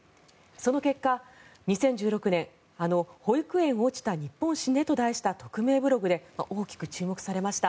その結果、２０１６年あの「保育園落ちた日本死ね」と題した匿名ブログで大きく注目されました